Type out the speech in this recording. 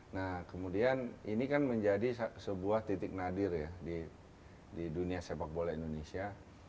nah kemudian ini kan menjadi sebuah titik nadir ya di dunia sepak bola indonesia